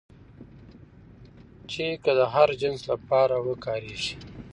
چې که د هر جنس لپاره وکارېږي